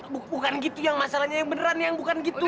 bukan gitu yang masalahnya yang beneran yang bukan gitu